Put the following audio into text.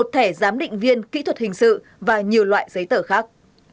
một thẻ giám định viên kỹ thuật hình sự và nhiều loại giấy tờ khác